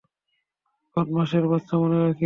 বদমাশের বাচ্চা, মনে রাখিস।